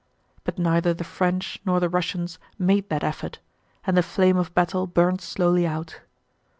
But neither the French nor the Russians made that effort, and the flame of battle burned slowly out.